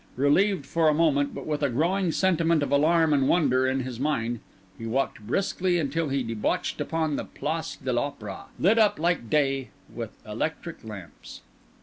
Relieved for a moment, but with a growing sentiment of alarm and wonder in his mind, he walked briskly until he debouched upon the Place de l'Opéra, lit up like day with electric lamps.